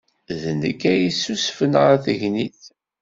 D nekk ay yessusfen ɣer tegnit.